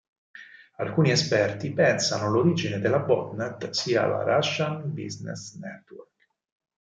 Alcuni esperti pensano l'origine della botnet sia la Russian Business Network.